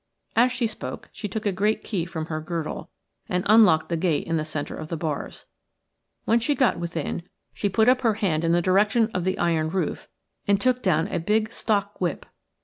As she spoke she took a great key from her girdle and unlocked the gate in the centre of the bars. When she got within she put up her hand in the direction of the iron roof and took down a big stock whip.